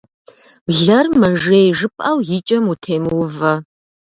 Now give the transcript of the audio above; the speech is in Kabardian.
Блэр мэжей жыпӏэу и кӏэм утемыувэ.